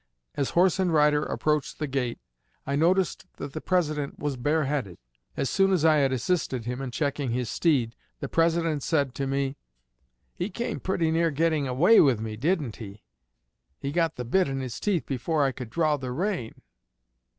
As horse and rider approached the gate, I noticed that the President was bareheaded. As soon as I had assisted him in checking his steed, the President said to me: 'He came pretty near getting away with me, didn't he? He got the bit in his teeth before I could draw the rein.'